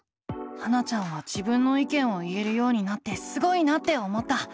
ハナちゃんは自分の意見を言えるようになってすごいなって思った。